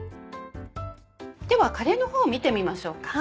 ではカレーの方見てみましょうか。